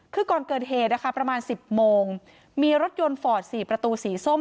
คือก่อนเกิดเหตุนะคะประมาณ๑๐โมงมีรถยนต์ฟอร์ด๔ประตูสีส้ม